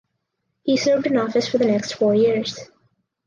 He served in office for the next four years.